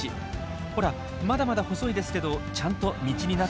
ほらまだまだ細いですけどちゃんと道になってるでしょ？